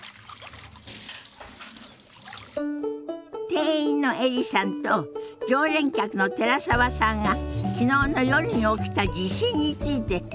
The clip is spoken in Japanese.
店員のエリさんと常連客の寺澤さんが昨日の夜に起きた地震について話してるみたい。